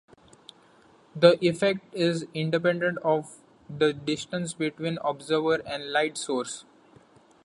The effect is independent of the distance between observer and light source.